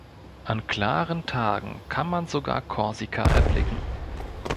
An klaren Tagen kann man sogar Korsika erblicken.